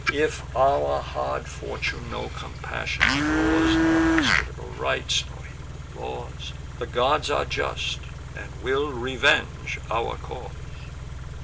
If our hard fortune no compassion draws, Nor hospitable rights, nor human laws, The gods are just, and will revenge our cause.